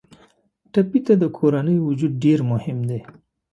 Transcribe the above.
ټپي ته د کورنۍ وجود ډېر مهم دی.